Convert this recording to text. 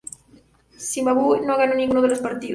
Zimbabue no ganó ninguno de los partidos.